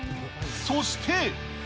そして。